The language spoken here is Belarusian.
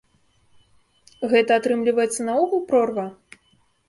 Гэта, атрымліваецца, наогул прорва?